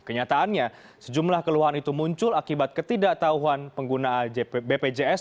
kenyataannya sejumlah keluhan itu muncul akibat ketidaktauan pengguna bpjs